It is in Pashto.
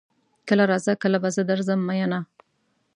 کله راځه کله به زه درځم میینه